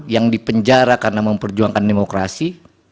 yang dipenjara karena memperjuangkan demokrasi